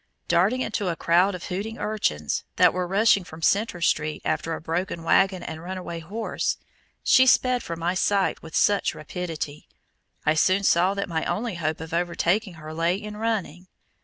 Darting into a crowd of hooting urchins that were rushing from Centre Street after a broken wagon and runaway horse, she sped from my sight with such rapidity, I soon saw that my only hope of overtaking her lay in running.